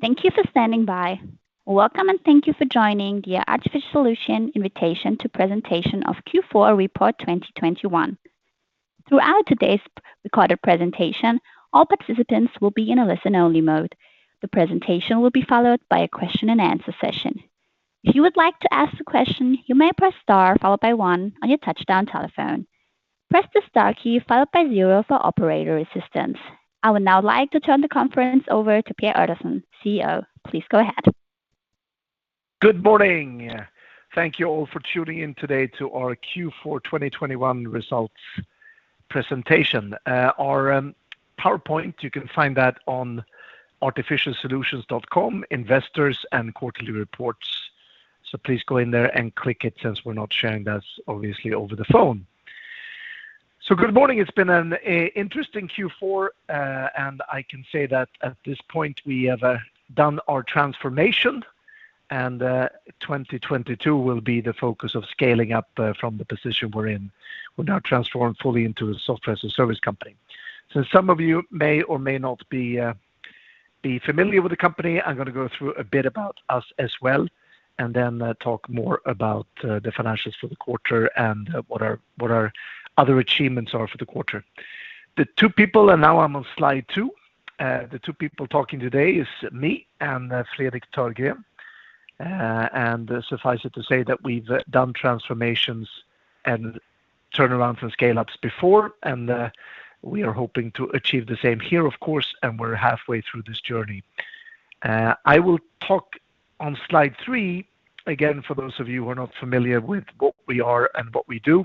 Thank you for standing by. Welcome and thank you for joining the Artificial Solutions Invitation to Presentation of Q4 Report 2021. Throughout today's recorded presentation, all participants will be in a listen-only mode. The presentation will be followed by a Q&A session. If you would like to ask a question, you may press star followed by one on your touch-tone telephone. Press the star key followed by zero for operator assistance. I would now like to turn the conference over to Per Ottosson, CEO. Please go ahead. Good morning. Thank you all for tuning in today to our Q4 2021 results presentation. Our PowerPoint, you can find that on artificialsolutions.com investors and quarterly reports. Please go in there and click it since we're not sharing this obviously over the phone. Good morning. It's been an interesting Q4, and I can say that at this point we have done our transformation and 2022 will be the focus of scaling up from the position we're in. We're now transformed fully into a software as a service company. Some of you may or may not be familiar with the company. I'm gonna go through a bit about us as well and then talk more about the financials for the quarter and what our other achievements are for the quarter. Now I'm on slide two. The two people talking today are me and Fredrik Törgren. Suffice it to say that we've done transformations and turnaround from scale-ups before. We are hoping to achieve the same here, of course, and we're halfway through this journey. I will talk on slide three, again, for those of you who are not familiar with what we are and what we do.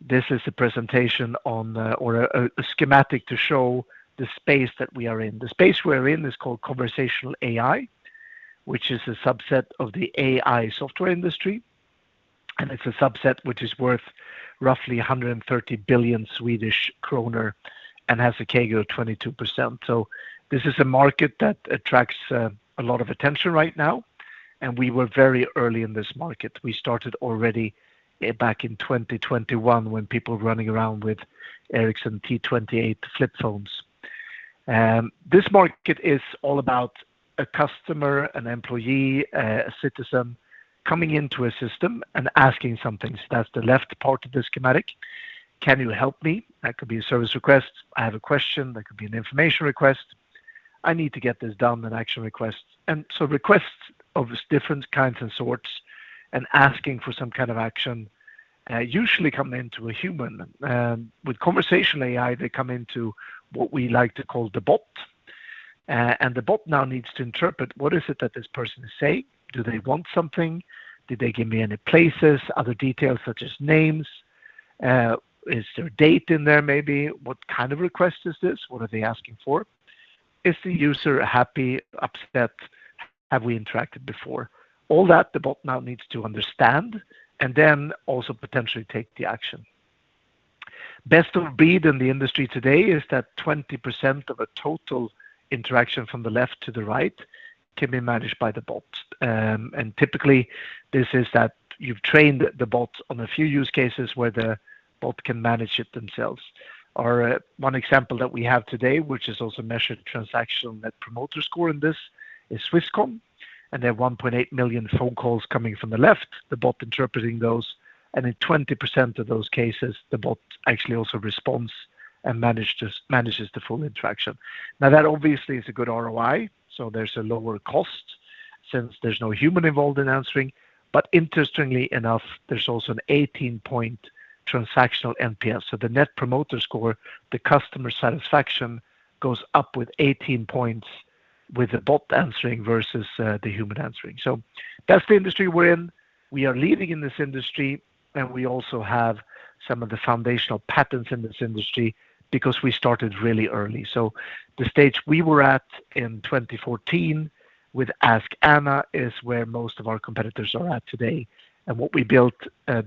This is a presentation or a schematic to show the space that we are in. The space we're in is called Conversational AI, which is a subset of the AI software industry, and it's a subset which is worth roughly 130 billion Swedish kronor and has a CAGR of 22%. This is a market that attracts a lot of attention right now, and we were very early in this market. We started already back in 2021 when people were running around with Ericsson T28 flip phones. This market is all about a customer, an employee, a citizen coming into a system and asking something. That's the left part of the schematic. Can you help me? That could be a service request. I have a question. That could be an information request. I need to get this done, an action request. Requests of different kinds and sorts and asking for some kind of action usually come into a human. With Conversational AI, they come into what we like to call the bot. The bot now needs to interpret what is it that this person is saying. Do they want something? Did they give me any places, other details such as names? Is there a date in there maybe? What kind of request is this? What are they asking for? Is the user happy, upset? Have we interacted before? All that the bot now needs to understand and then also potentially take the action. Best of breed in the industry today is that 20% of a total interaction from the left to the right can be managed by the bot. Typically this is that you've trained the bot on a few use cases where the bot can manage it themselves. Our one example that we have today, which is also measured transactional net promoter score in this, is Swisscom. They have 1.8 million phone calls coming from the left, the bot interpreting those, and in 20% of those cases, the bot actually also responds and manages the full interaction. That obviously is a good ROI, so there's a lower cost since there's no human involved in answering. Interestingly enough, there's also an 18-point transactional NPS. The net promoter score, the customer satisfaction goes up with 18 points with the bot answering versus the human answering. That's the industry we're in. We are leading in this industry, and we also have some of the foundational patents in this industry because we started really early. The stage we were at in 2014 with Ask Anna is where most of our competitors are at today. What we built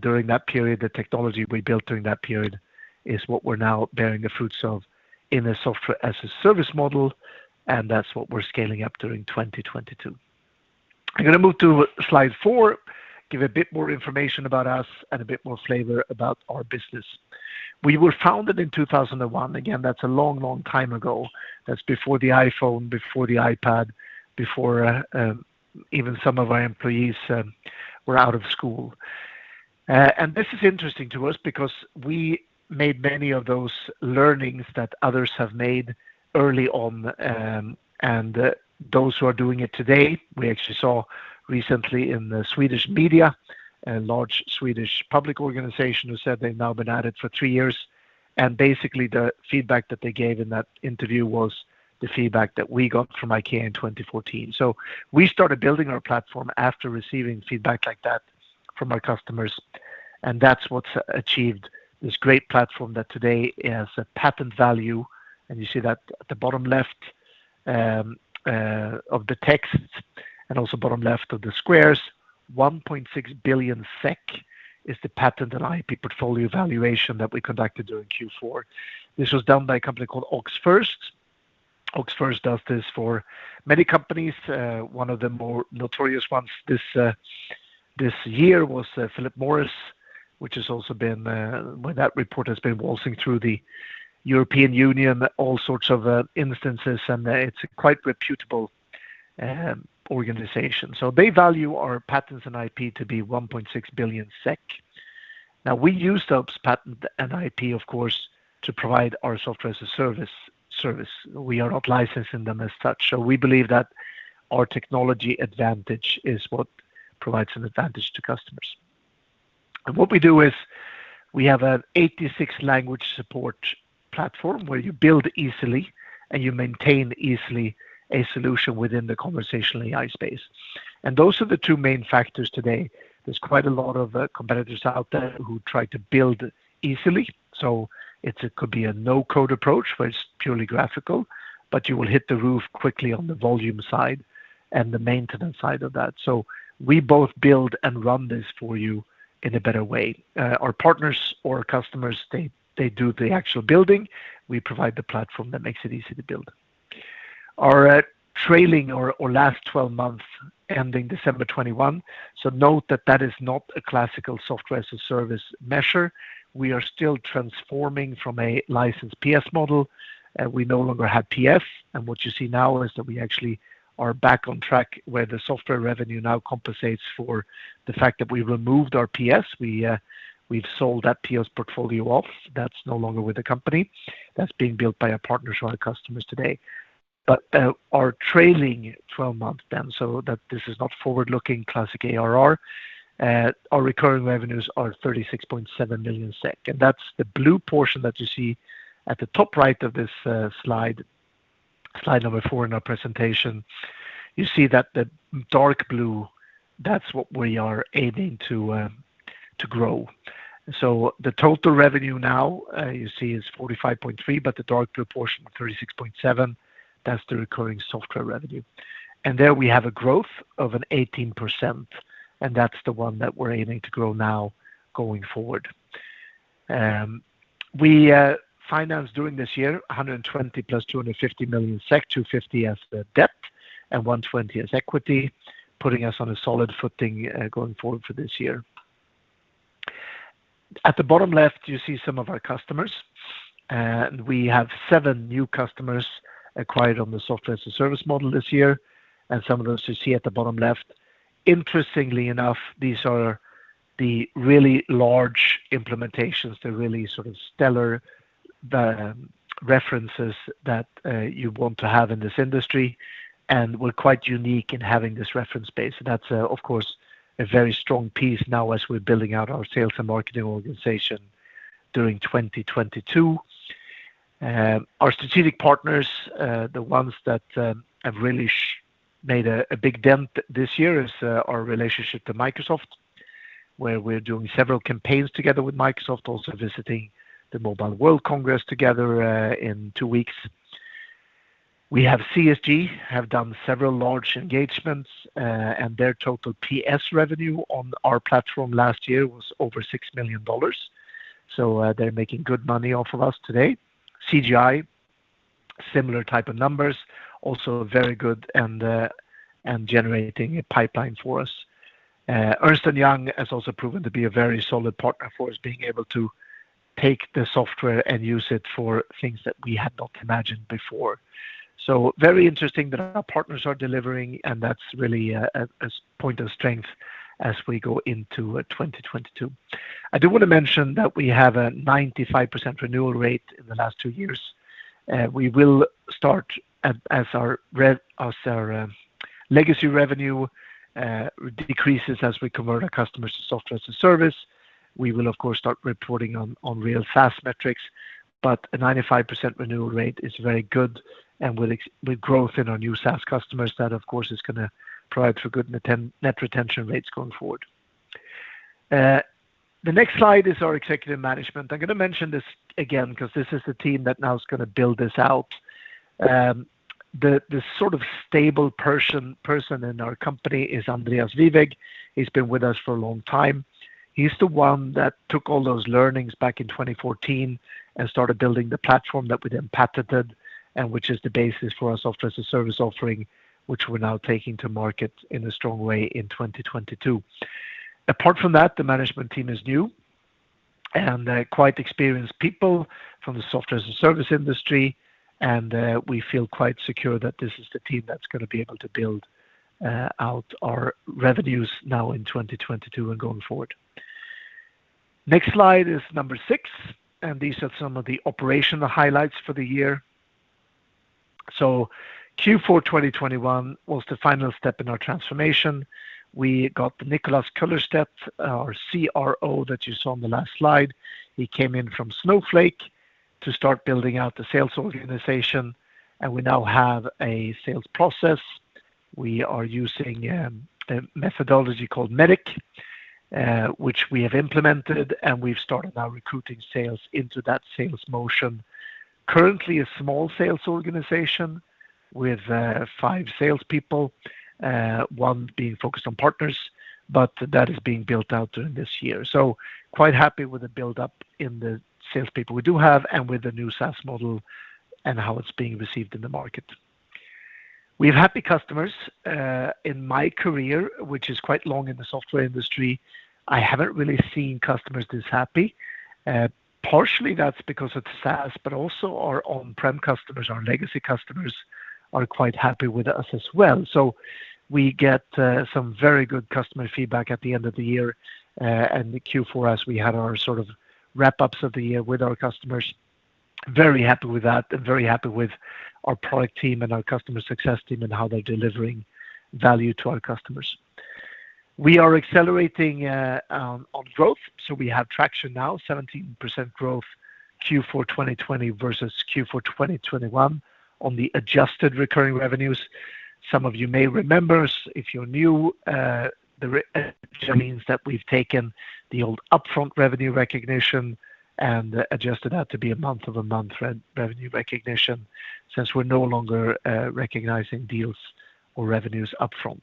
during that period, the technology we built during that period, is what we're now bearing the fruits of in a software as a service model, and that's what we're scaling up during 2022. I'm gonna move to slide 4, give a bit more information about us and a bit more flavor about our business. We were founded in 2001. Again, that's a long, long time ago. That's before the iPhone, before the iPad, before even some of our employees were out of school. This is interesting to us because we made many of those learnings that others have made early on, and those who are doing it today, we actually saw recently in the Swedish media a large Swedish public organization who said they've now been at it for 3 years. Basically, the feedback that they gave in that interview was the feedback that we got from IKEA in 2014. We started building our platform after receiving feedback like that from our customers, and that's what's achieved this great platform that today has a patent value. You see that at the bottom left of the text and also bottom left of the squares. 1.6 billion SEK is the patent and IP portfolio valuation that we conducted during Q4. This was done by a company called OxFirst. OxFirst does this for many companies. One of the more notorious ones this year was Philip Morris, which has also been, that report has been waltzing through the European Union, all sorts of instances, and it's a quite reputable organization. They value our patents and IP to be 1.6 billion SEK. Now, we use those patent and IP, of course, to provide our software-as-a-service service. We are not licensing them as such. We believe that our technology advantage is what provides an advantage to customers. What we do is we have an 86-language support platform where you build easily and you maintain easily a solution within the conversational AI space. Those are the two main factors today. There's quite a lot of competitors out there who try to build easily. It could be a no-code approach where it's purely graphical, but you will hit the roof quickly on the volume side and the maintenance side of that. We both build and run this for you in a better way. Our partners or customers, they do the actual building. We provide the platform that makes it easy to build. Our trailing or last 12 months ending December 2021. Note that that is not a classic software-as-a-service measure. We are still transforming from a licensed PS model, and we no longer have PS. What you see now is that we actually are back on track where the software revenue now compensates for the fact that we removed our PS. We've sold that PS portfolio off. That's no longer with the company. That's being built by our partners or our customers today. Our trailing 12 months then, so that this is not forward-looking classic ARR, our recurring revenues are 36.7 million SEK. That's the blue portion that you see at the top right of this slide number four in our presentation. You see that the dark blue, that's what we are aiming to grow. The total revenue now, you see is 45.3, but the dark blue portion, 36.7, that's the recurring software revenue. There we have a growth of 18%, and that's the one that we're aiming to grow now going forward. We financed during this year 120 plus 250 million SEK, 250 as the debt and 120 as equity, putting us on a solid footing going forward for this year. At the bottom left, you see some of our customers. We have seven new customers acquired on the software-as-a-service model this year, and some of those you see at the bottom left. Interestingly enough, these are the really large implementations. They're really sort of stellar references that you want to have in this industry, and we're quite unique in having this reference base. That's of course a very strong piece now as we're building out our sales and marketing organization during 2022. Our strategic partners, the ones that have really made a big dent this year is our relationship to Microsoft, where we're doing several campaigns together with Microsoft, also visiting the Mobile World Congress together in two weeks. We have CSG, have done several large engagements, and their total PS revenue on our platform last year was over $6 million. They're making good money off of us today. CGI, similar type of numbers, also very good and generating a pipeline for us. Ernst & Young has also proven to be a very solid partner for us, being able to take the software and use it for things that we had not imagined before. Very interesting that our partners are delivering, and that's really a point of strength as we go into 2022. I do want to mention that we have a 95% renewal rate in the last two years. We will start as our legacy revenue decreases as we convert our customers to software as a service. We will of course start reporting on real SaaS metrics. A 95% renewal rate is very good and with growth in our new SaaS customers, that of course is gonna provide for good net retention rates going forward. The next slide is our executive management. I'm gonna mention this again because this is the team that now is gonna build this out. The sort of stable person in our company is Andreas Wieweg. He's been with us for a long time. He's the one that took all those learnings back in 2014 and started building the platform that we then patented, and which is the basis for our software-as-a-service offering, which we're now taking to market in a strong way in 2022. Apart from that, the management team is new and quite experienced people from the software-as-a-service industry, and we feel quite secure that this is the team that's gonna be able to build out our revenues now in 2022 and going forward. Next slide is number 6, and these are some of the operational highlights for the year. Q4 2021 was the final step in our transformation. We got Nicolas Köllerstedt, our CRO that you saw on the last slide. He came in from Snowflake to start building out the sales organization, and we now have a sales process. We are using a methodology called MEDDIC, which we have implemented, and we've started now recruiting sales into that sales motion. Currently a small sales organization with five salespeople, one being focused on partners, but that is being built out during this year. Quite happy with the build-up in the salespeople we do have and with the new SaaS model and how it's being received in the market. We have happy customers. In my career, which is quite long in the software industry, I haven't really seen customers this happy. Partially that's because of SaaS, but also our on-prem customers, our legacy customers are quite happy with us as well. We get some very good customer feedback at the end of the year, and in the Q4 as we had our sort of wrap-ups of the year with our customers. Very happy with that and very happy with our product team and our customer success team and how they're delivering value to our customers. We are accelerating on growth, so we have traction now, 17% growth, Q4 2020 versus Q4 2021 on the adjusted recurring revenues. Some of you may remember, if you're new, that we've taken the old upfront revenue recognition and adjusted that to be a month-over-month revenue recognition since we're no longer recognizing deals or revenues upfront.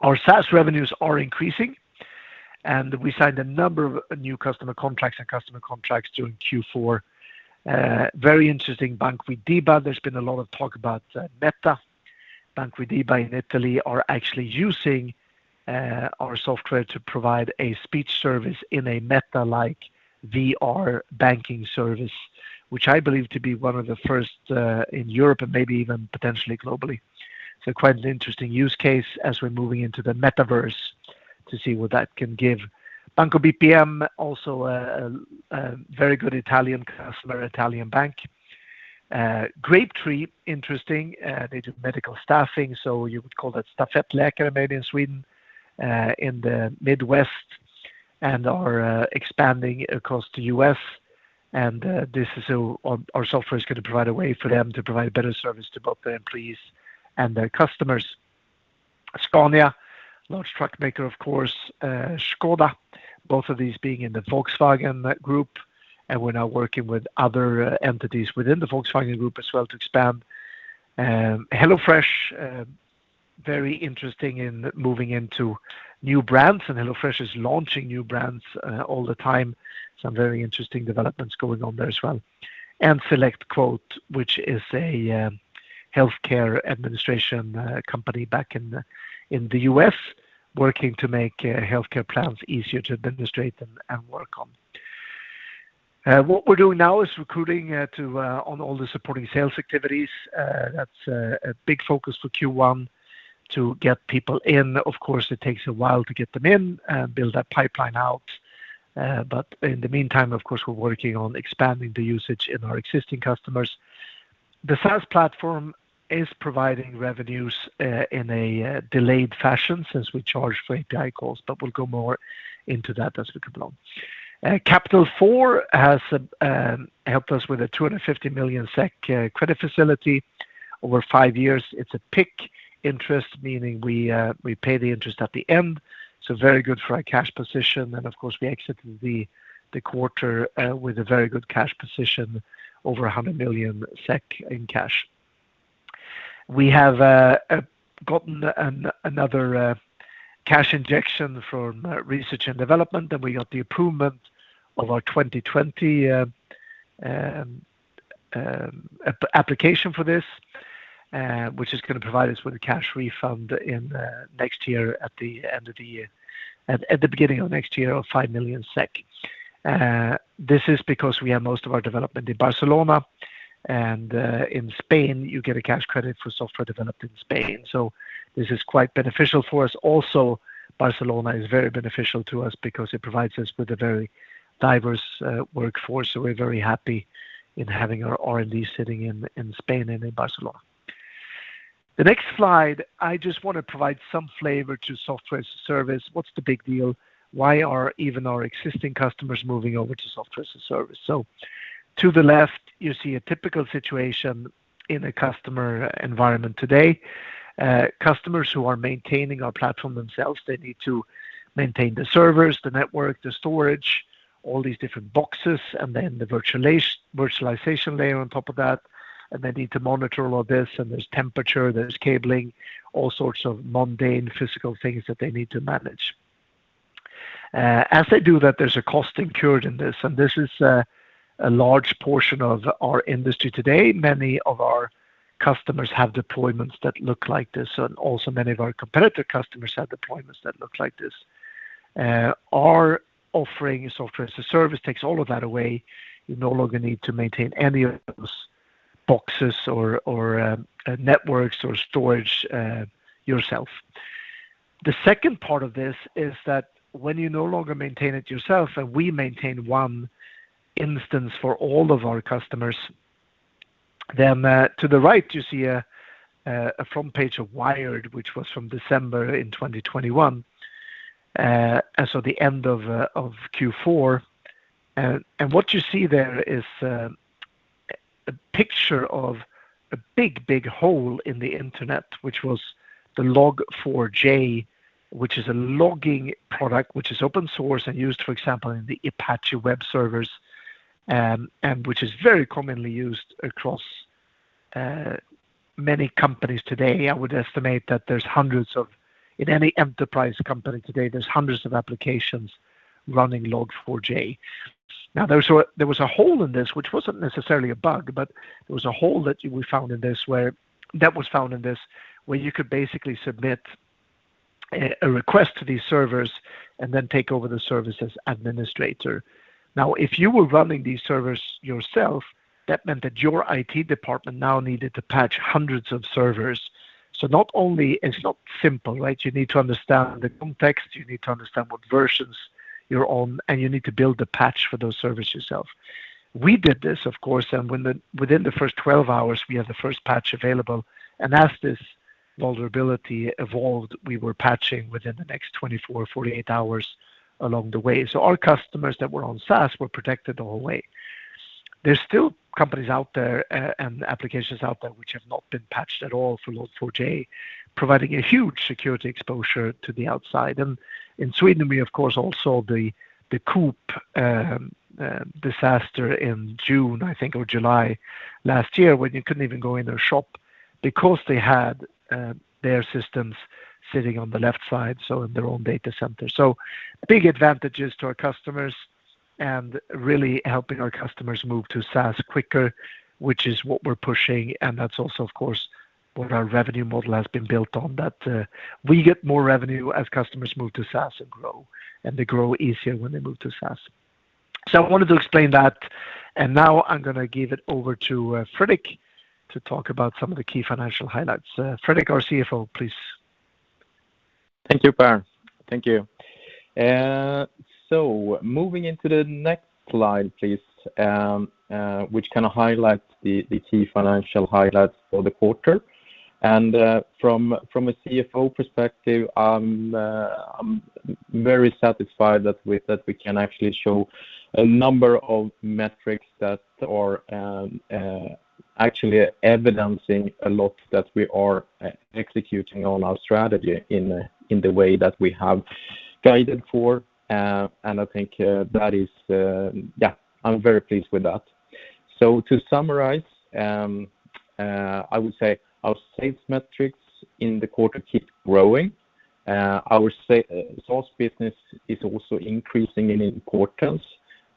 Our SaaS revenues are increasing, and we signed a number of new customer contracts during Q4. Very interesting, Banca Widiba. There's been a lot of talk about Meta. Banca Widiba in Italy are actually using our software to provide a speech service in a Meta-like VR banking service, which I believe to be one of the first in Europe and maybe even potentially globally. Quite an interesting use case as we're moving into the metaverse to see what that can give. Banco BPM, also a very good Italian customer, Italian bank. GrapeTree, interesting. They do medical staffing, so you would call that stafettläkare maybe in Sweden, in the Midwest and are expanding across the US. This is so our software is gonna provide a way for them to provide a better service to both their employees and their customers. Scania, large truck maker, of course, Škoda, both of these being in the Volkswagen Group, and we're now working with other entities within the Volkswagen Group as well to expand. HelloFresh, very interesting in moving into new brands, and HelloFresh is launching new brands all the time. Some very interesting developments going on there as well. SelectQuote, which is a healthcare administration company back in the U.S., working to make healthcare plans easier to administrate and work on. What we're doing now is recruiting on all the supporting sales activities. That's a big focus for Q1 to get people in. Of course, it takes a while to get them in and build that pipeline out. But in the meantime, of course, we're working on expanding the usage in our existing customers. The SaaS platform is providing revenues in a delayed fashion since we charge for API calls, but we'll go more into that as we go along. Capital Four has helped us with a 250 million SEK credit facility over five years. It's a PIK interest, meaning we pay the interest at the end, so very good for our cash position. Of course, we exited the quarter with a very good cash position, over 100 million SEK in cash. We have gotten another cash injection from research and development, and we got the approval of our 2020 application for this, which is gonna provide us with a cash refund in next year at the end of the year. At the beginning of next year of 5 million SEK. This is because we have most of our development in Barcelona, and in Spain, you get a cash credit for software developed in Spain. This is quite beneficial for us. Also, Barcelona is very beneficial to us because it provides us with a very diverse workforce, so we're very happy in having our R&D sitting in Spain and in Barcelona. The next slide, I just wanna provide some flavor to software as a service. What's the big deal? Why are even our existing customers moving over to software as a service? To the left, you see a typical situation in a customer environment today. Customers who are maintaining our platform themselves, they need to maintain the servers, the network, the storage, all these different boxes, and then the virtualization layer on top of that. They need to monitor all of this. There's temperature, there's cabling, all sorts of mundane physical things that they need to manage. As they do that, there's a cost incurred in this, and this is a large portion of our industry today. Many of our customers have deployments that look like this, and also many of our competitor customers have deployments that look like this. Our offering software as a service takes all of that away. You no longer need to maintain any of those boxes or networks or storage yourself. The second part of this is that when you no longer maintain it yourself, and we maintain one instance for all of our customers, then to the right, you see a front page of WIRED, which was from December in 2021, and so the end of Q4. What you see there is a picture of a big hole in the internet, which was the Log4j, which is a logging product which is open source and used, for example, in the Apache web servers, and which is very commonly used across many companies today. I would estimate that there's hundreds of... In any enterprise company today, there's hundreds of applications running Log4j. Now, there was a hole in this which wasn't necessarily a bug, but there was a hole that was found in this where you could basically submit a request to these servers and then take over the service's administrator. Now, if you were running these servers yourself, that meant that your IT department now needed to patch hundreds of servers. Not only it's not simple, right? You need to understand the context, you need to understand what versions you're on, and you need to build the patch for those servers yourself. We did this, of course, and within the first 12 hours, we had the first patch available. As this vulnerability evolved, we were patching within the next 24, 48 hours along the way. Our customers that were on SaaS were protected the whole way. There's still companies out there and applications out there which have not been patched at all for Log4j, providing a huge security exposure to the outside. In Sweden, we of course saw the Coop disaster in June, I think, or July last year, when you couldn't even go in their shop because they had their systems sitting on-prem, so in their own data center. Big advantages to our customers and really helping our customers move to SaaS quicker, which is what we're pushing, and that's also, of course, what our revenue model has been built on, we get more revenue as customers move to SaaS and grow, and they grow easier when they move to SaaS. I wanted to explain that, and now I'm gonna give it over to Fredrik to talk about some of the key financial highlights. Fredrik, our CFO, please. Thank you, Per. Thank you. So moving into the next slide, please, which kinda highlights the key financial highlights for the quarter. From a CFO perspective, I'm very satisfied that we can actually show a number of metrics that are actually evidencing a lot that we are executing on our strategy in the way that we have guided for. I think that is. Yeah, I'm very pleased with that. To summarize, I would say our sales metrics in the quarter keep growing. Our SaaS business is also increasing in importance,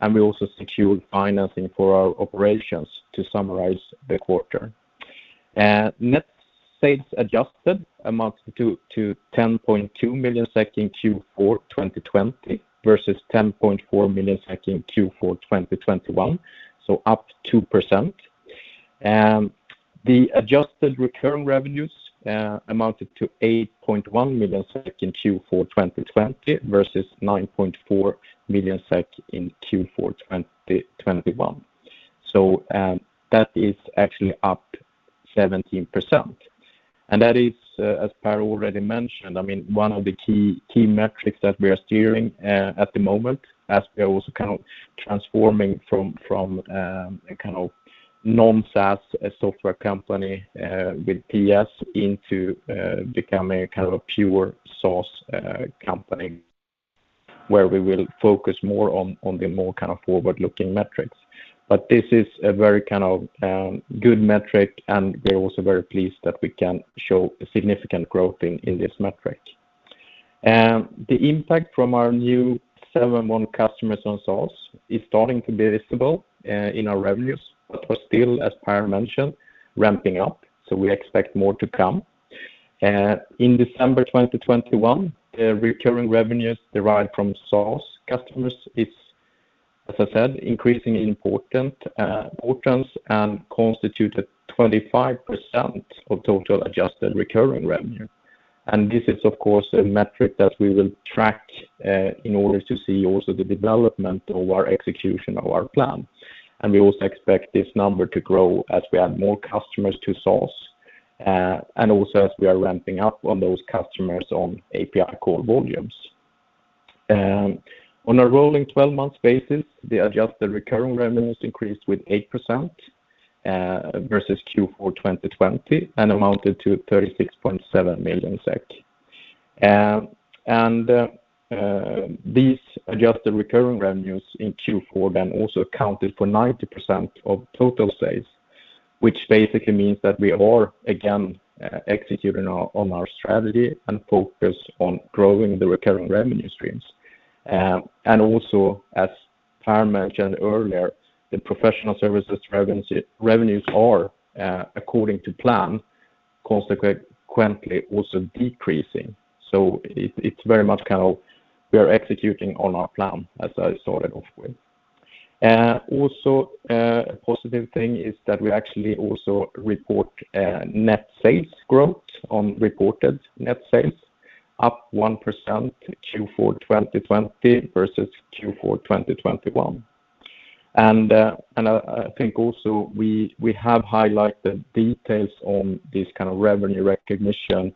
and we also secured financing for our operations to summarize the quarter. Net sales adjusted amounted to 10.2 million SEK in Q4 2020 versus SEK 10.4 million in Q4 2021, so up 2%. The adjusted recurring revenues amounted to 8.1 million SEK in Q4 2020 versus 9.4 million SEK in Q4 2021. That is actually up 17%. That is, as Per already mentioned, I mean, one of the key metrics that we are steering at the moment as we are also kind of transforming from a kind of non-SaaS software company with PS into becoming kind of a pure SaaS company where we will focus more on the more kind of forward-looking metrics. This is a very kind of good metric, and we're also very pleased that we can show a significant growth in this metric. The impact from our new 71 customers on SaaS is starting to be visible in our revenues, but we're still, as Per mentioned, ramping up, so we expect more to come. In December 2021, the recurring revenues derived from SaaS customers is, as I said, increasingly important importance and constituted 25% of total adjusted recurring revenue. This is, of course, a metric that we will track in order to see also the development of our execution of our plan. We also expect this number to grow as we add more customers to SaaS and also as we are ramping up on those customers on API call volumes. On a rolling twelve-month basis, the adjusted recurring revenues increased with 8%, versus Q4 2020 and amounted to SEK 36.7 million. These adjusted recurring revenues in Q4 then also accounted for 90% of total sales, which basically means that we are again executing on our strategy and focus on growing the recurring revenue streams. As Per mentioned earlier, the professional services revenue is according to plan, consequently also decreasing. It's very much kind of we are executing on our plan as I started off with. Also a positive thing is that we actually also report net sales growth on reported net sales up 1% Q4 2020 versus Q4 2021. I think we have highlighted details on this kind of revenue recognition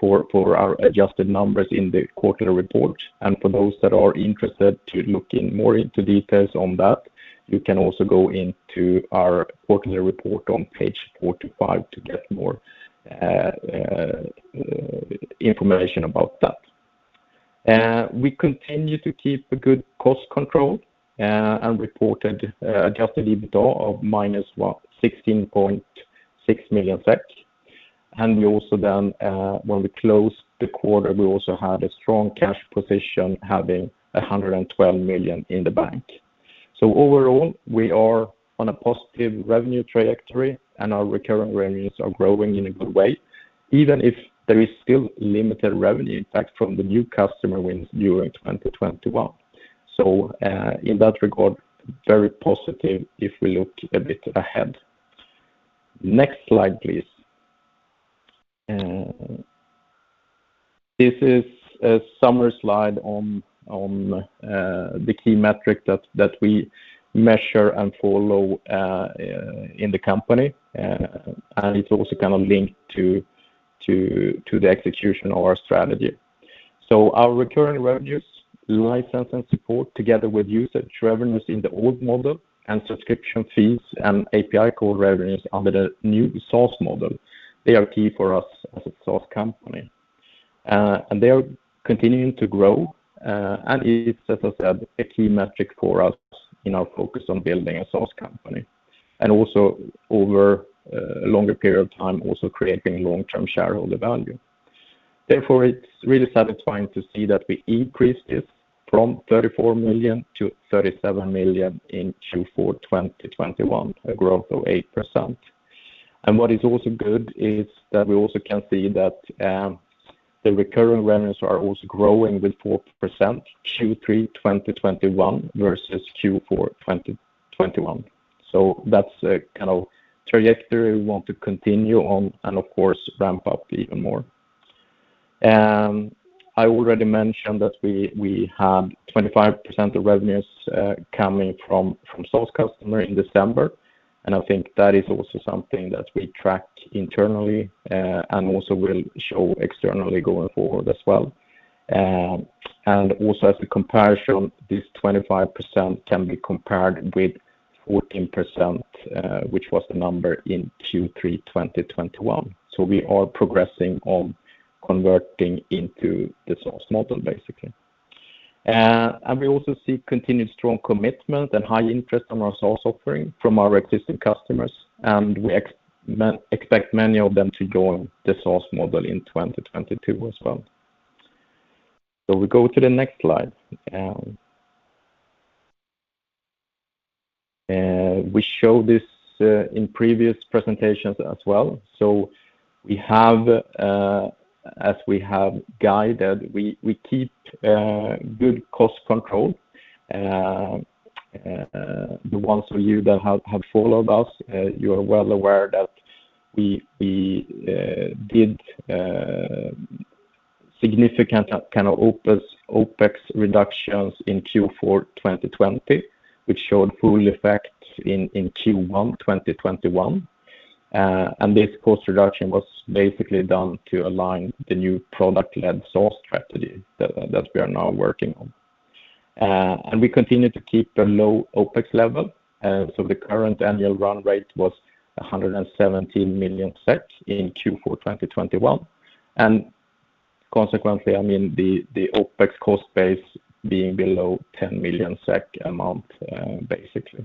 for our adjusted numbers in the quarterly report. For those that are interested to look into more details on that, you can also go into our quarterly report on pages 4-5 to get more information about that. We continue to keep a good cost control and reported adjusted EBITDA of -16.6 million SEK. We also then when we closed the quarter, we also had a strong cash position, having 112 million in the bank. Overall, we are on a positive revenue trajectory, and our recurring revenues are growing in a good way, even if there is still limited revenue impact from the new customer wins during 2021. In that regard, very positive if we look a bit ahead. Next slide, please. This is a summary slide on the key metrics that we measure and follow in the company. It's also kind of linked to the execution of our strategy. Our recurring revenues, license and support together with usage revenues in the old model and subscription fees and API call revenues under the new SaaS model, they are key for us as a SaaS company. They are continuing to grow, and it's as I said, a key metric for us in our focus on building a SaaS company, and also over a longer period of time, also creating long-term shareholder value. Therefore, it's really satisfying to see that we increased it from 34 million to 37 million in Q4 2021, a growth of 8%. What is also good is that we also can see that the recurring revenues are also growing with 4%, Q3 2021 versus Q4 2021. That's a kind of trajectory we want to continue on and of course, ramp up even more. I already mentioned that we had 25% of revenues coming from SaaS customer in December, and I think that is also something that we track internally and also will show externally going forward as well. And also as a comparison, this 25% can be compared with 14%, which was the number in Q3 2021. We are progressing on converting into the SaaS model, basically. We also see continued strong commitment and high interest on our SaaS offering from our existing customers, and we expect many of them to go on the SaaS model in 2022 as well. We go to the next slide. We show this in previous presentations as well. We have, as we have guided, we keep good cost control. The ones of you that have followed us, you are well aware that we did significant kind of OPEX reductions in Q4 2020, which showed full effect in Q1 2021. This cost reduction was basically done to align the new product-led SaaS strategy that we are now working on. We continue to keep the low OPEX level. The current annual run rate was 117 million SEK in Q4 2021. I mean, the OPEX cost base being below 10 million SEK a month, basically.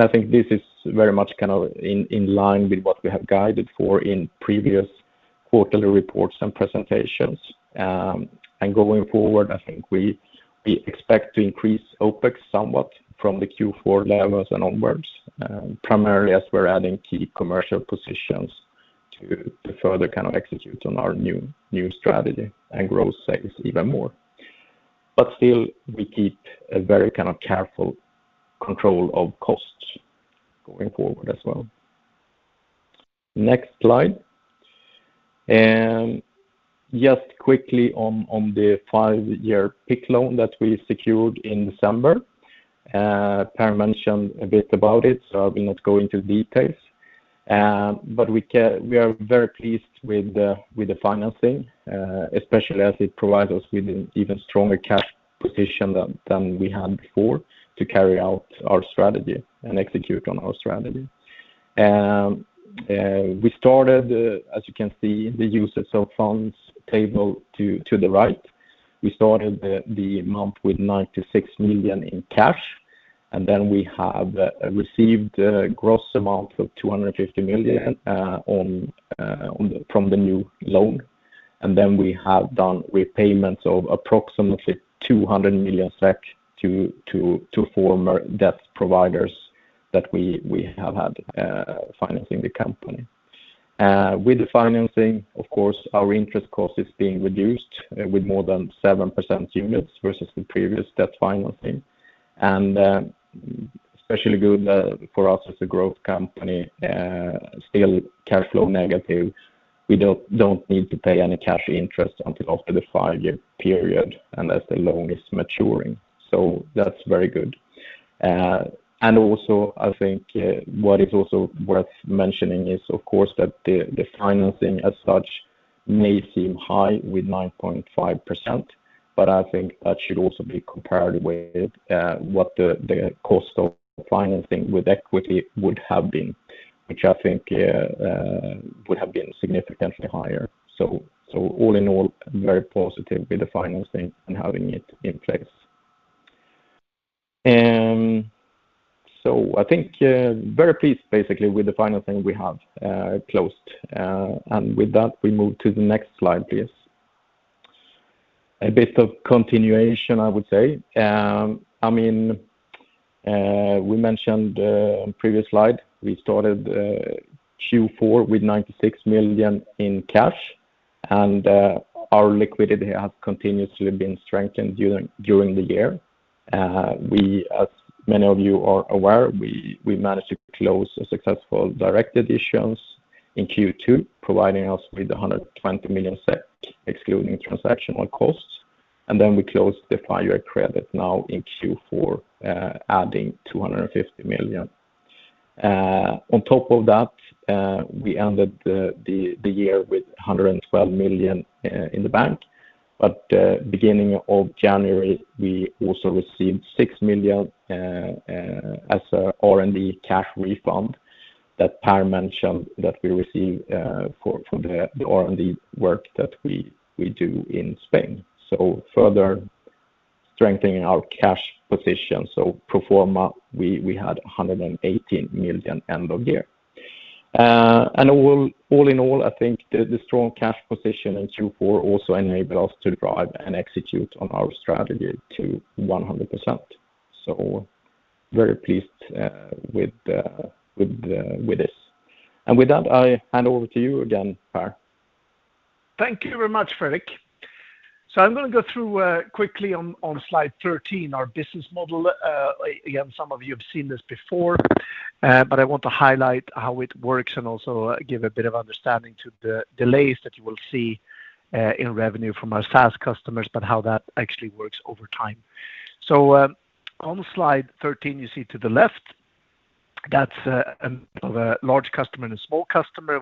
I think this is very much kind of in line with what we have guided for in previous quarterly reports and presentations. Going forward, I think we expect to increase OPEX somewhat from the Q4 levels and onwards, primarily as we're adding key commercial positions to further kind of execute on our new strategy and grow sales even more. We keep a very kind of careful control of costs going forward as well. Next slide. Just quickly on the 5-year PIK loan that we secured in December. Per mentioned a bit about it, so I will not go into details. We are very pleased with the financing, especially as it provides us with an even stronger cash position than we had before to carry out our strategy and execute on our strategy. As you can see, the funds table to the right. We started the month with 96 million in cash, and then we have received a gross amount of 250 million from the new loan. We have done repayments of approximately 200 million SEK to former debt providers that we have had financing the company. With the financing, of course, our interest cost is being reduced with more than 7 percentage points versus the previous debt financing. Especially good for us as a growth company, still cash flow negative, we don't need to pay any cash interest until after the 5-year period unless the loan is maturing. That's very good. Also I think what is also worth mentioning is, of course, that the financing as such may seem high with 9.5%, but I think that should also be compared with what the cost of financing with equity would have been, which I think would have been significantly higher. All in all, very positive with the financing and having it in place. I think yeah very pleased basically with the final thing we have closed. With that, we move to the next slide, please. A bit of continuation, I would say. I mean, we mentioned on previous slide, we started Q4 with 96 million in cash, and our liquidity has continuously been strengthened during the year. As many of you are aware, we managed to close a successful directed issue in Q2, providing us with 120 million SEK, excluding transactional costs. We closed the credit facility in Q4, adding 250 million. On top of that, we ended the year with 112 million in the bank. Beginning of January, we also received 6 million as a R&D cash refund that Per mentioned that we received from the R&D work that we do in Spain, further strengthening our cash position. Pro forma, we had 118 million end of year. All in all, I think the strong cash position in Q4 also enable us to drive and execute on our strategy to 100%. Very pleased with this. With that, I hand over to you again, Per. Thank you very much, Fredrik. I'm gonna go through quickly on slide 13, our business model. Again, some of you have seen this before, but I want to highlight how it works and also give a bit of understanding to the delays that you will see in revenue from our SaaS customers, but how that actually works over time. On slide 13, you see to the left, that's a large customer and a small customer.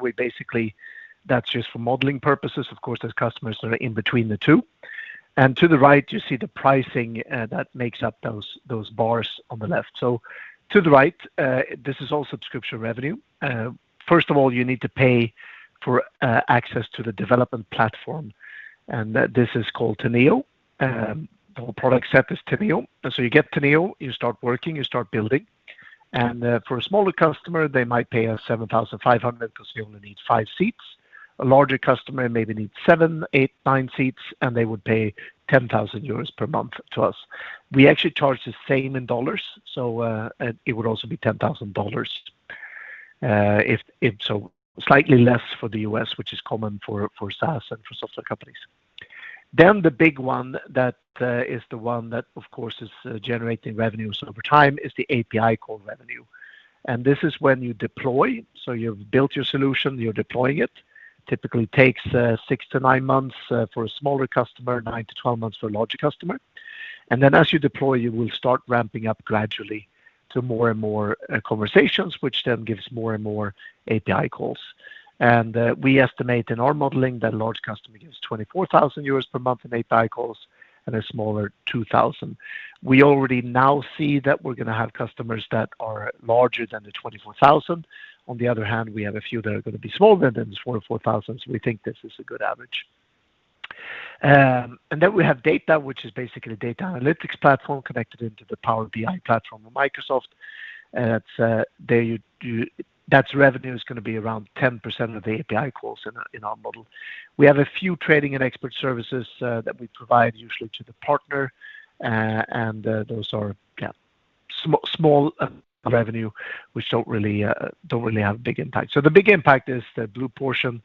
That's just for modeling purposes. Of course, there's customers that are in between the two. To the right, you see the pricing that makes up those bars on the left. To the right, this is all subscription revenue. First of all, you need to pay for access to the development platform. This is called Teneo. The whole product set is Teneo. You get Teneo, you start working, you start building. For a smaller customer, they might pay us 7,500 because they only need 5 seats. A larger customer maybe needs 7, 8, 9 seats, and they would pay 10,000 euros per month to us. We actually charge the same in dollars, so it would also be $10,000 if it's slightly less for the U.S., which is common for SaaS and for software companies. The big one that is the one that, of course, is generating revenues over time is the API call revenue. This is when you deploy. You've built your solution, you're deploying it. Typically takes 6-9 months for a smaller customer, 9-12 months for a larger customer. As you deploy, you will start ramping up gradually to more and more conversations, which then gives more and more API calls. We estimate in our modeling that a large customer gives 24,000 euros per month in API calls and a smaller 2,000. We already now see that we're gonna have customers that are larger than the 24,000. On the other hand, we have a few that are gonna be smaller than this 2,000-4,000, so we think this is a good average. We have data, which is basically data analytics platform connected into the Power BI platform of Microsoft. That's revenue is gonna be around 10% of the API calls in our model. We have a few training and expert services that we provide usually to the partner. Those are small revenue, which don't really have a big impact. The big impact is the blue portion,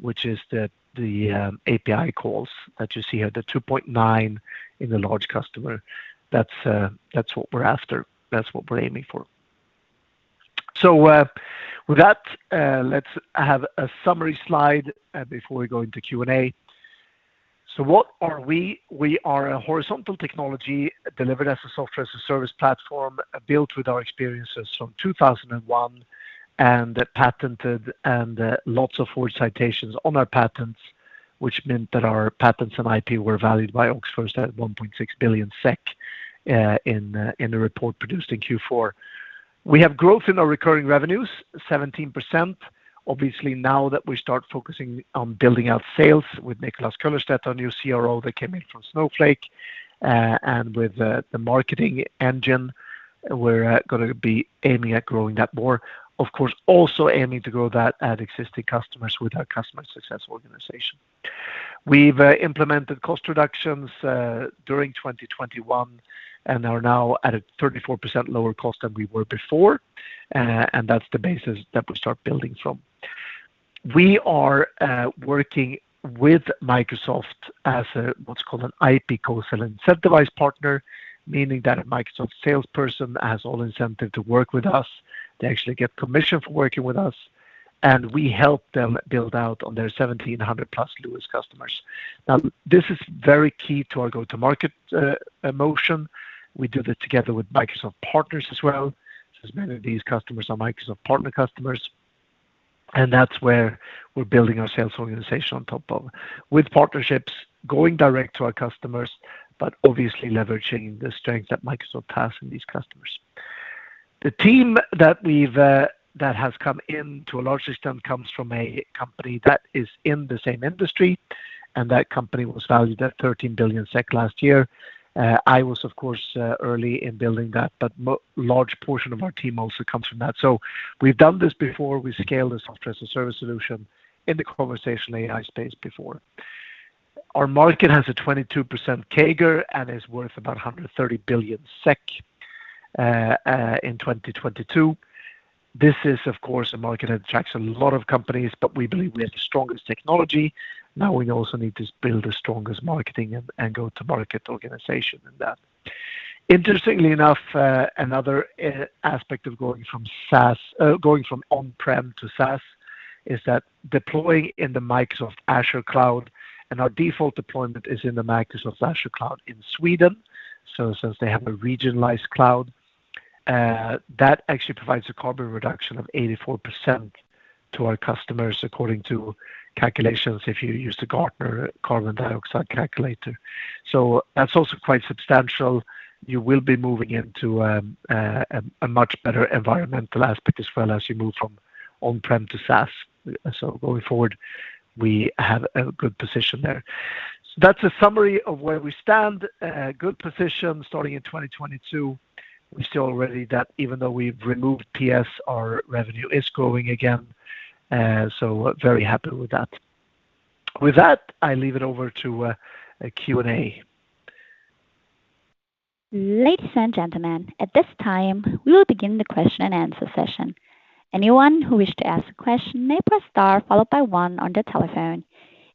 which is the API calls that you see here, the 2.9 in the large customer. That's what we're after. That's what we're aiming for. With that, let's have a summary slide before we go into Q&A. What are we? We are a horizontal technology delivered as a software as a service platform built with our experiences from 2001 and patented and lots of forward citations on our patents, which meant that our patents and IP were valued by OxFirst at 1.6 billion SEK in the report produced in Q4. We have growth in our recurring revenues, 17%. Obviously, now that we start focusing on building out sales with Nicolas Köllerstedt, our new CRO that came in from Snowflake and with the marketing engine, we're gonna be aiming at growing that more. Of course, also aiming to grow that at existing customers with our customer success organization. We've implemented cost reductions during 2021 and are now at a 34% lower cost than we were before. That's the basis that we start building from. We are working with Microsoft as a what's called an IP co-sell incentivized partner, meaning that a Microsoft salesperson has all incentive to work with us. They actually get commission for working with us, and we help them build out on their 1,700+ LUIS customers. Now, this is very key to our go-to-market motion. We do that together with Microsoft partners as well, since many of these customers are Microsoft partner customers. That's where we're building our sales organization on top of. With partnerships going direct to our customers, but obviously leveraging the strength that Microsoft has in these customers. The team that has come in to a large extent comes from a company that is in the same industry, and that company was valued at 13 billion SEK last year. I was of course early in building that, but large portion of our team also comes from that. We've done this before. We scaled a software as a service solution in the conversational AI space before. Our market has a 22% CAGR and is worth about 130 billion SEK in 2022. This is of course a market that attracts a lot of companies, but we believe we have the strongest technology. Now we also need to build the strongest marketing and go-to-market organization in that. Interestingly enough, another aspect of going from SaaS. Going from on-prem to SaaS is that deploying in the Microsoft Azure cloud and our default deployment is in the Microsoft Azure cloud in Sweden. Since they have a regionalized cloud, that actually provides a carbon reduction of 84% to our customers according to calculations if you use the Gartner carbon dioxide calculator. That's also quite substantial. You will be moving into a much better environmental aspect as well as you move from on-prem to SaaS. Going forward, we have a good position there. That's a summary of where we stand. A good position starting in 2022. We see already that even though we've removed PS, our revenue is growing again. Very happy with that. With that, I leave it over to Q&A. Ladies and gentlemen, at this time we will begin the question and answer session. Anyone who wishes to ask a question may press star followed by one on their telephone.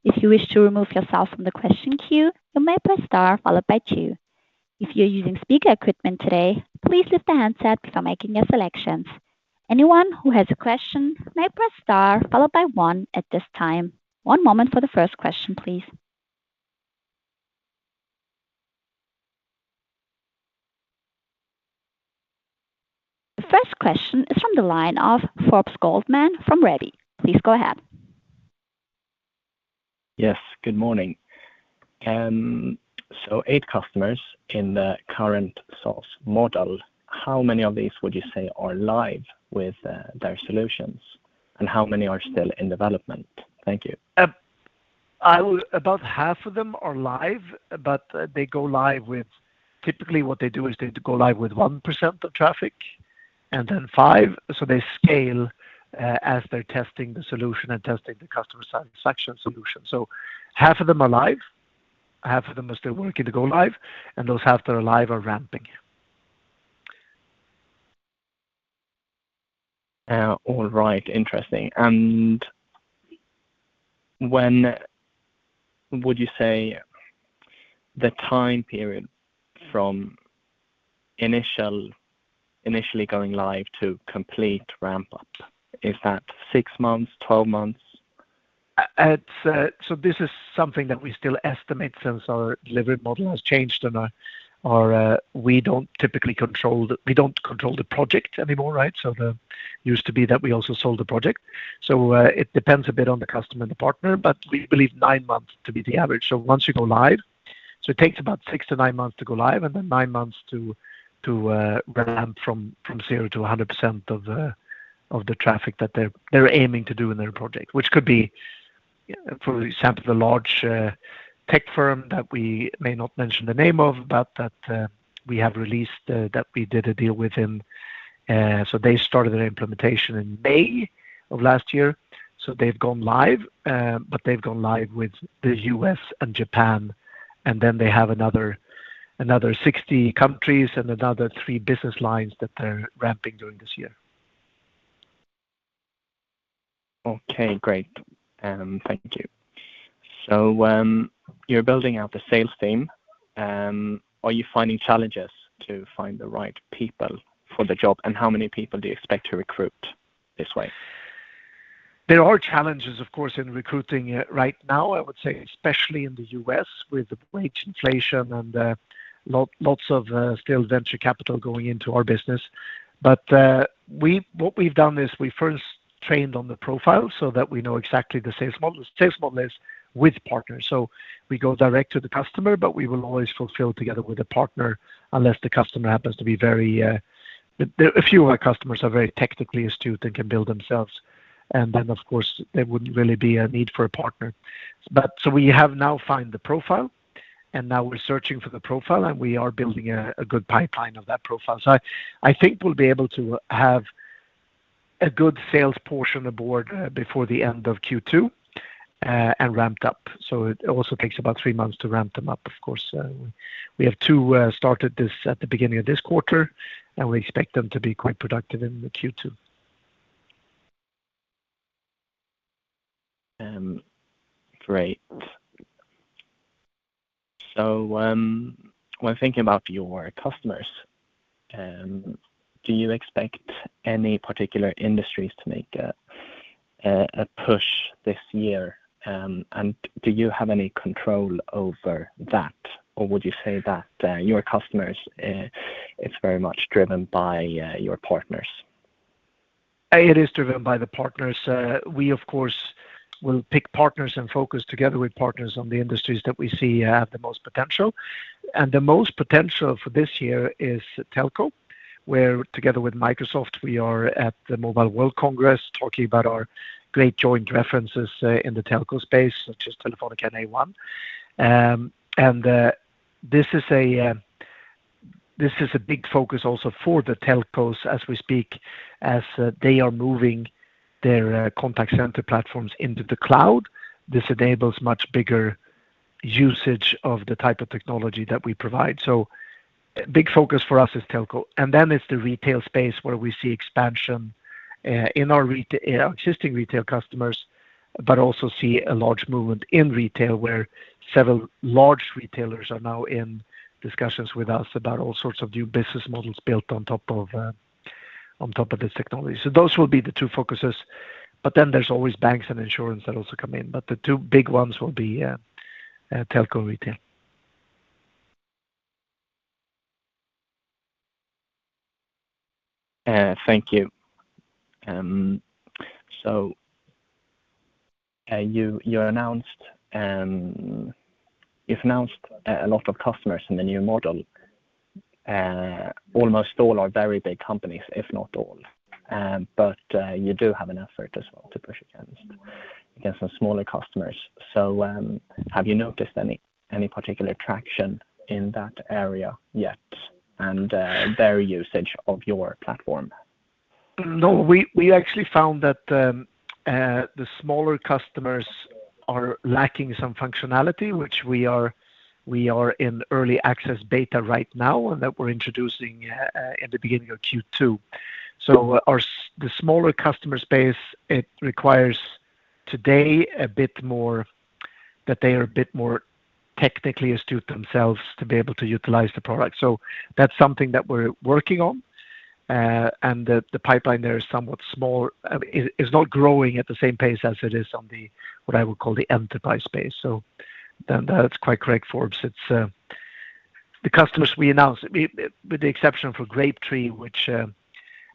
If you wish to remove yourself from the question queue, you may press star followed by two. If you're using speaker equipment today, please lift the handset before making your selections. Anyone who has a question may press star followed by one at this time. One moment for the first question, please. The first question is from the line of Forbes Goldman from Redeye. Please go ahead. Yes, good morning. Eight customers in the current source model, how many of these would you say are live with their solutions and how many are still in development? Thank you. About half of them are live, but they go live with. Typically, what they do is they go live with 1% of traffic and then 5. They scale as they're testing the solution and testing the customer satisfaction solution. Half of them are live, half of them are still working to go live, and those half that are live are ramping. All right. Interesting. When would you say the time period from initially going live to complete ramp up, is that 6 months, 12 months? This is something that we still estimate since our delivery model has changed. We don't typically control the project anymore, right? It used to be that we also sold the project. It depends a bit on the customer and the partner, but we believe nine months to be the average once you go live. It takes about six to nine months to go live and then nine months to ramp from zero to 100% of the traffic that they're aiming to do in their project. Which could be, for example, the large tech firm that we may not mention the name of, but we have released that we did a deal with them. They started their implementation in May of last year. They've gone live with the U.S. and Japan, and then they have another 60 countries and another 3 business lines that they're ramping during this year. Okay, great. Thank you. You're building out the sales team. Are you finding challenges to find the right people for the job and how many people do you expect to recruit this way? There are challenges of course in recruiting right now, I would say especially in the U.S. with wage inflation and lots of still venture capital going into our business. What we've done is we first trained on the profile so that we know exactly the sales model. The sales model is with partners. We go direct to the customer, but we will always fulfill together with a partner unless the customer happens to be very, a few of our customers are very technically astute and can build themselves. Then of course there wouldn't really be a need for a partner. We have now found the profile and now we're searching for the profile and we are building a good pipeline of that profile. I think we'll be able to have a good salesperson on board before the end of Q2 and ramped up. It also takes about three months to ramp them up, of course. We have two started this at the beginning of this quarter, and we expect them to be quite productive in the Q2. Great. When thinking about your customers, do you expect any particular industries to make a push this year? Do you have any control over that or would you say that your customers, it's very much driven by your partners? It is driven by the partners. We of course will pick partners and focus together with partners on the industries that we see have the most potential. The most potential for this year is telco, where together with Microsoft, we are at the Mobile World Congress talking about our great joint references in the telco space, such as Telefónica and A1. This is a big focus also for the telcos as we speak, as they are moving their contact center platforms into the cloud. This enables much bigger usage of the type of technology that we provide. Big focus for us is telco, and then it's the retail space where we see expansion in our retail, existing retail customers, but also see a large movement in retail, where several large retailers are now in discussions with us about all sorts of new business models built on top of this technology. Those will be the two focuses, but then there's always banks and insurance that also come in. The two big ones will be telco, retail. Thank you. You've announced a lot of customers in the new model. Almost all are very big companies, if not all. But you do have an effort as well to push against some smaller customers. Have you noticed any particular traction in that area yet and their usage of your platform? No, we actually found that the smaller customers are lacking some functionality, which we are in early access beta right now, and that we're introducing at the beginning of Q2. The smaller customer space requires today a bit more. They are a bit more technically astute themselves to be able to utilize the product. That's something that we're working on. The pipeline there is somewhat small. It's not growing at the same pace as it is on the, what I would call the enterprise space. That's quite correct, Forbes. It's the customers we announced, with the exception for GrapeTree, which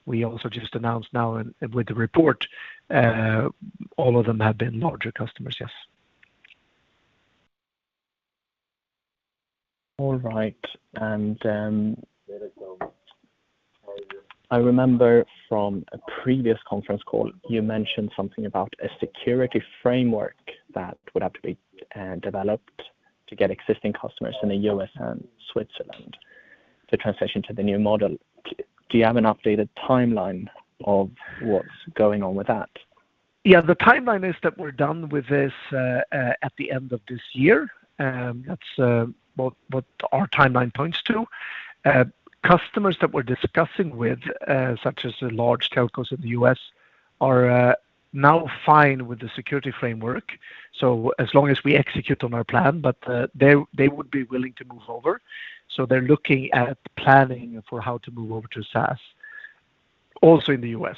we also just announced now with the report, all of them have been larger customers. Yes. All right. Then I remember from a previous conference call, you mentioned something about a security framework that would have to be developed to get existing customers in the U.S. and Switzerland to transition to the new model. Do you have an updated timeline of what's going on with that? Yeah, the timeline is that we're done with this at the end of this year. That's what our timeline points to. Customers that we're discussing with, such as the large telcos in the U.S., are now fine with the security framework. As long as we execute on our plan, but they would be willing to move over. They're looking at planning for how to move over to SaaS also in the U.S.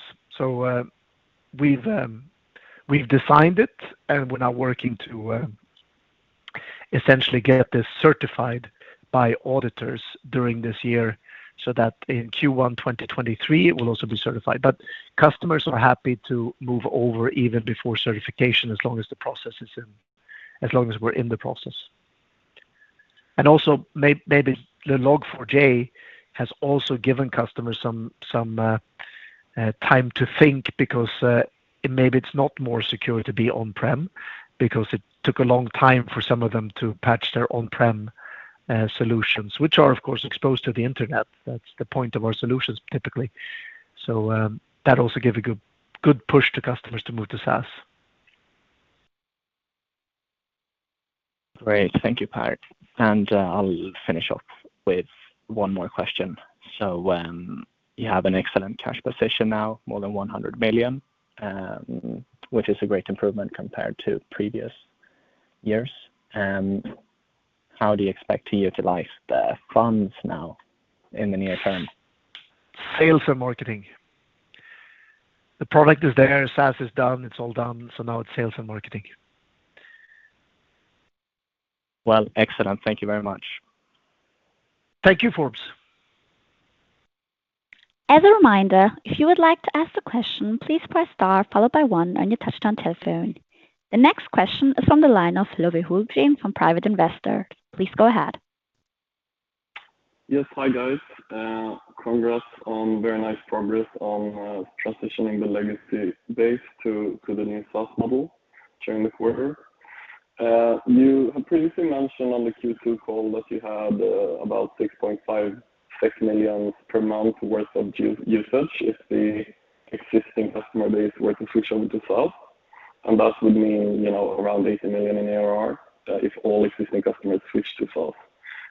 We've designed it, and we're now working to essentially get this certified by auditors during this year, so that in Q1 2023 it will also be certified. Customers are happy to move over even before certification, as long as we're in the process. Maybe the Log4j has also given customers some time to think, because maybe it's not more secure to be on-prem, because it took a long time for some of them to patch their on-prem solutions, which are of course exposed to the internet. That's the point of our solutions, typically. That also gave a good push to customers to move to SaaS. Great. Thank you, Per. I'll finish off with one more question. You have an excellent cash position now, more than 100 million, which is a great improvement compared to previous years. How do you expect to utilize the funds now in the near term? Sales and marketing. The product is there, SaaS is done. It's all done. Now it's sales and marketing. Well, excellent. Thank you very much. Thank you, Forbes. As a reminder, if you would like to ask a question, please press star followed by one on your touchtone telephone. The next question is from the line of Love Hultgren from Private Investor. Please go ahead. Yes. Hi, guys. Congrats on very nice progress on transitioning the legacy base to the new SaaS model during the quarter. You previously mentioned on the Q2 call that you had about 6.56 million per month worth of usage if the existing customer base were to switch over to SaaS. And that would mean, you know, around 80 million in ARR if all existing customers switch to SaaS.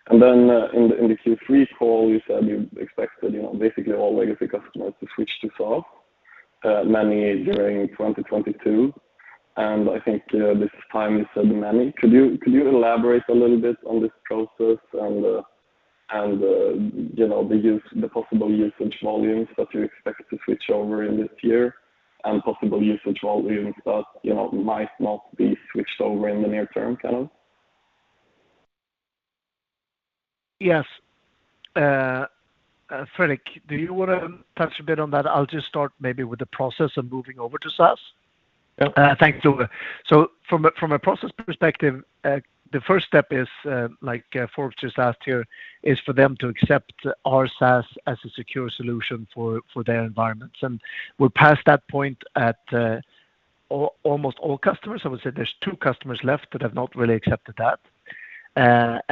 And then in the Q3 call, you said you expected, you know, basically all legacy customers to switch to SaaS, many during 2022. I think this time you said many. Could you elaborate a little bit on this process and you know the possible usage volumes that you expect to switch over in this year and possible usage volumes that you know might not be switched over in the near term kind of? Yes. Fredrik, do you wanna touch a bit on that? I'll just start maybe with the process of moving over to SaaS. Thanks, Love. From a process perspective, the first step is, like, Forbes just asked here, for them to accept our SaaS as a secure solution for their environments. We're past that point at almost all customers. I would say there's two customers left that have not really accepted that.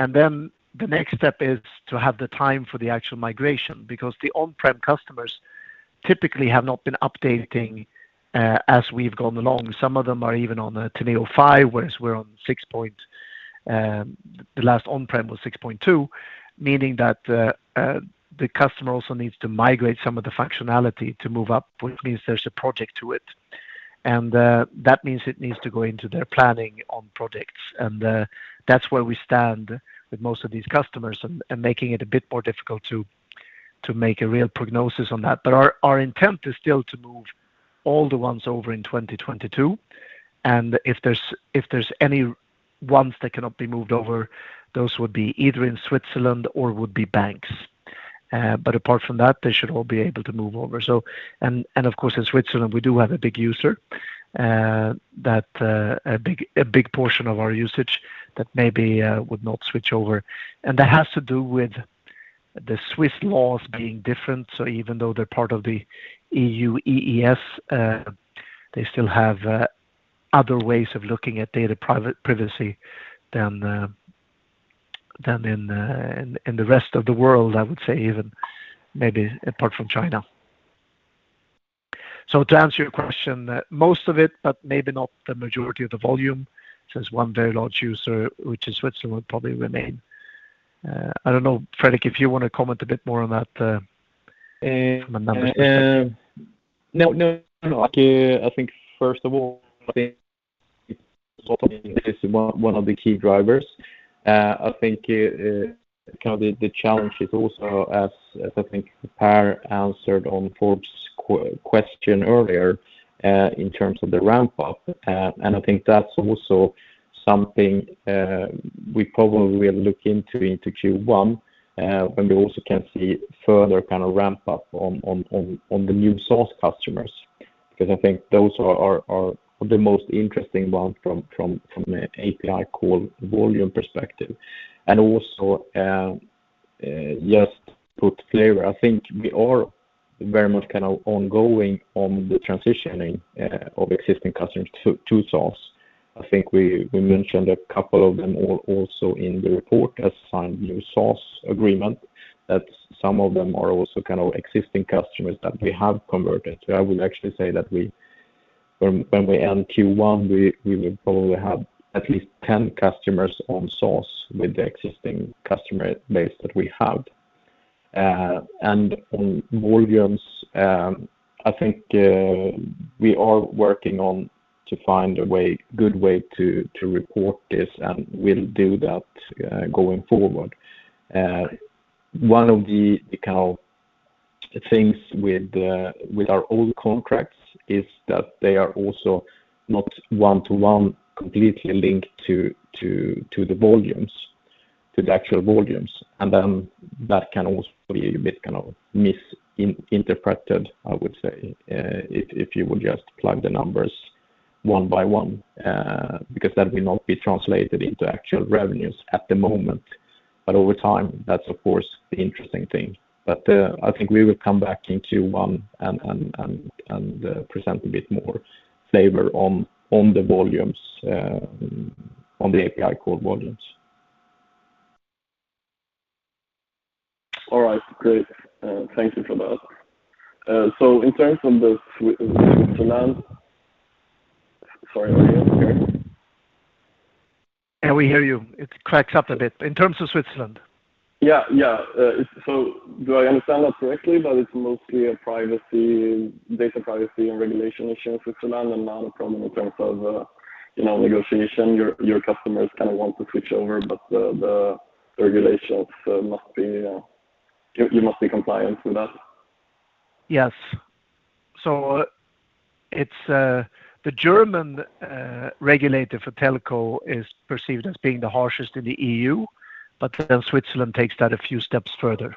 Then the next step is to have the time for the actual migration because the on-prem customers typically have not been updating as we've gone along. Some of them are even on the 10.05, whereas we're on six point, the last on-prem was 6.2, meaning that the customer also needs to migrate some of the functionality to move up, which means there's a project to it. That means it needs to go into their planning on projects. That's where we stand with most of these customers and making it a bit more difficult to make a real prognosis on that. Our intent is still to move all the ones over in 2022, and if there's any ones that cannot be moved over, those would be either in Switzerland or would be banks. Apart from that, they should all be able to move over. Of course, in Switzerland, we do have a big user that a big portion of our usage that maybe would not switch over. That has to do with the Swiss laws being different. Even though they're part of the EU, EEA, they still have other ways of looking at data privacy than in the rest of the world, I would say even maybe apart from China. To answer your question, most of it, but maybe not the majority of the volume, since one very large user, which is Switzerland, would probably remain. I don't know, Fredrik, if you wanna comment a bit more on that from a numbers perspective. No, no, like, I think first of all, I think this is one of the key drivers. I think kind of the challenge is also, as I think Per answered on Forbes question earlier, in terms of the ramp up. I think that's also something we probably will look into Q1 when we also can see further kind of ramp up on the new source customers because I think those are the most interesting one from a API call volume perspective. Also, just put flavor, I think we are very much kind of ongoing on the transitioning of existing customers to SaaS. I think we mentioned a couple of them also in the report has signed new SaaS agreement, that some of them are also kind of existing customers that we have converted. I will actually say that we. When we end Q1, we will probably have at least 10 customers on SaaS with the existing customer base that we have. On volumes, I think we are working on to find a way, good way to report this, and we'll do that going forward. One of the kind of things with our old contracts is that they are also not one to one completely linked to the volumes, to the actual volumes. That can also be a bit kind of misinterpreted, I would say, if you would just plug the numbers one by one, because that will not be translated into actual revenues at the moment. Over time, that's of course the interesting thing. I think we will come back in Q1 and present a bit more flavor on the volumes on the API call volumes. All right. Great. Thank you for that. In terms of Switzerland... Sorry, are you okay? Yeah, we hear you. It cracks up a bit. In terms of Switzerland. Yeah, yeah. So do I understand that correctly, that it's mostly a privacy, data privacy and regulation issue in Switzerland and not a problem in terms of, you know, negotiation, your customers kind of want to switch over, but the regulations must be, you must be compliant with that? Yes. It's the German regulator for telco is perceived as being the harshest in the EU, but then Switzerland takes that a few steps further,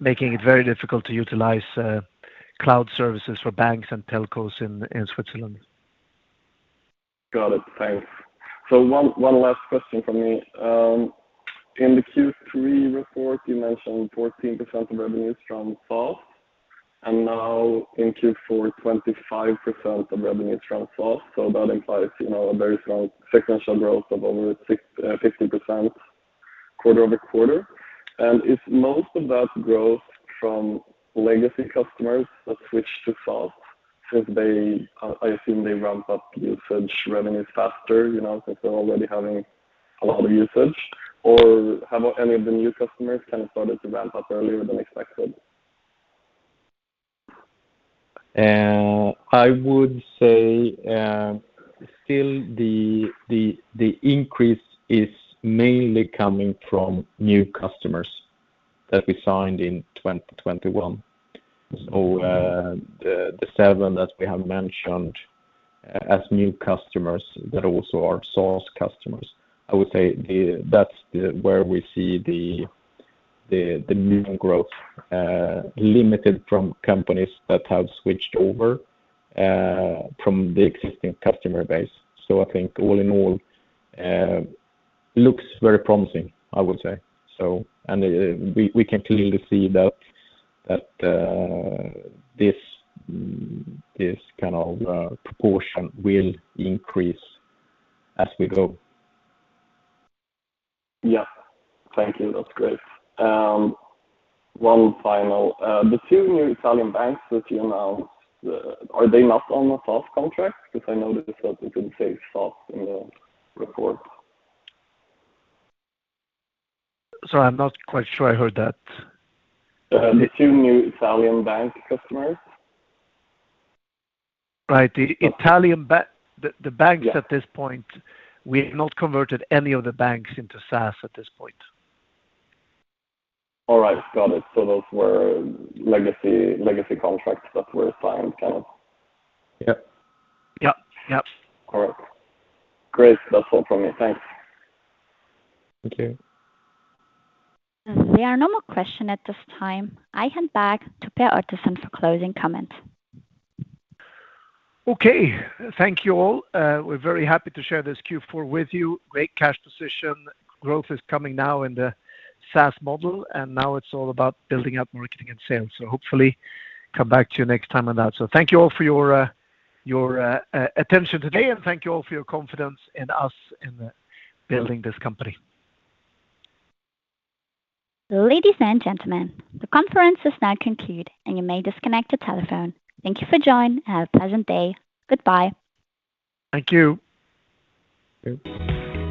making it very difficult to utilize cloud services for banks and telcos in Switzerland. Got it. Thanks. One last question from me. In the Q3 report, you mentioned 14% of revenue is from SaaS, and now in Q4, 25% of revenue is from SaaS. That implies, you know, a very strong sequential growth of over 650% quarter-over-quarter. Is most of that growth from legacy customers that switch to SaaS since they, I assume they ramp up usage revenues faster, you know, since they're already having a lot of usage? Or have any of the new customers kind of started to ramp up earlier than expected? I would say still the increase is mainly coming from new customers that we signed in 2021. The 7 that we have mentioned as new customers that also are SaaS customers, I would say that's where we see the new growth coming from companies that have switched over from the existing customer base. I think all in all looks very promising, I would say. We can clearly see that this kind of proportion will increase as we go. Yeah. Thank you. That's great. The two new Italian banks that you announced, are they not on the SaaS contract? Because I noticed that it didn't say SaaS in the report. Sorry, I'm not quite sure I heard that. The two new Italian bank customers. Right. Yeah. The banks at this point, we have not converted any of the banks into SaaS at this point. All right. Got it. Those were legacy contracts that were signed, kind of. Yep. Yep. Yep. All right. Great. That's all from me. Thanks. Thank you. There are no more questions at this time. I hand back to Per Ottosson for closing comments. Okay. Thank you all. We're very happy to share this Q4 with you. Great cash position. Growth is coming now in the SaaS model, and now it's all about building up marketing and sales. Hopefully come back to you next time on that. Thank you all for your attention today, and thank you all for your confidence in us in building this company. Ladies and gentlemen, the conference is now concluded, and you may disconnect your telephone. Thank you for joining, and have a pleasant day. Goodbye. Thank you. Thank you.